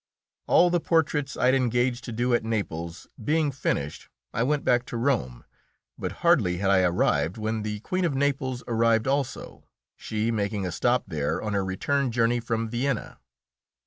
] All the portraits I had engaged to do at Naples being finished, I went back to Rome, but hardly had I arrived when the Queen of Naples arrived also, she making a stop there on her return journey from Vienna.